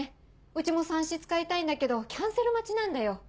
「うちもさんし使いたいんだけどキャンセル待ちなんだよ」。